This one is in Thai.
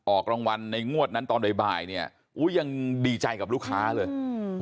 ออกรางวัลในงวดนั้นตอนบ่ายบ่ายเนี่ยอุ้ยยังดีใจกับลูกค้าเลยอืม